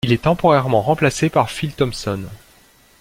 Il est temporairement remplacé par Phil Thompson.